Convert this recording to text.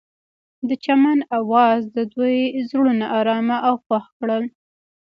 د چمن اواز د دوی زړونه ارامه او خوښ کړل.